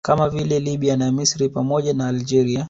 Kama vile Lbya na Misri pamoja na Algeria